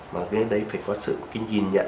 mà cái đấy phải có sự cái nhìn nhận